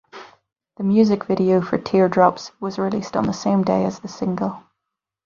The music video for "Teardrops" was released on the same day as the single.